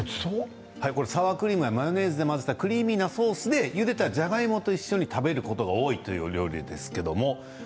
サワークリームやマヨネーズと混ぜたクリーミーなソースをゆでたじゃがいもと一緒に食べることが多いという料理ですね。